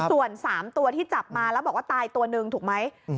ส่วน๓ตัวที่จับมาแล้วบอกว่าตายตัวหนึ่งถูกไหม